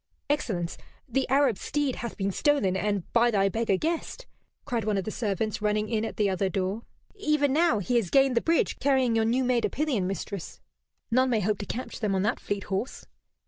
"Excellence, the Arab steed hath been stolen, and by thy beggar guest," cried one of the servants, running in at the other door. "Even now he has gained the bridge, carrying your new maid a pillion, mistress. None may hope to catch them on that fleet horse."